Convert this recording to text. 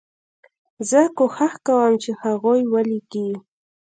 زه کوښښ کوم چې هغوی ولیکي.